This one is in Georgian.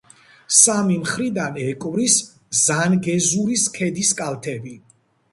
სამი მხრიდან ეკვრის ზანგეზურის ქედის კალთები.